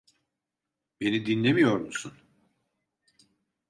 Beni dinlemiyor musun?